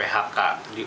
perpuluhan yang tinggalkan